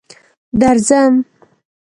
درځم.